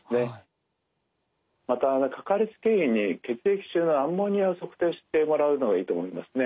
またかかりつけ医に血液中のアンモニアを測定してもらうのがいいと思いますね。